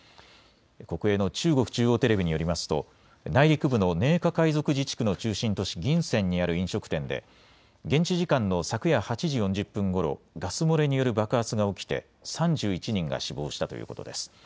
国営の中国中央テレビによりますと内陸部の寧夏回族自治区の中心都市、銀川にある飲食店で現地時間の昨夜８時４０分ごろガス漏れによる爆発が起きて３１人が死亡したということです。